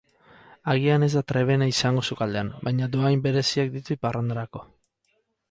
Agian ez da trebeena izango sukaldean, baina dohain bereziak ditu parrandarako.